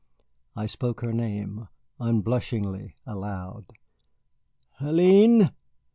I spoke her name, unblushingly, aloud. "Hélène!"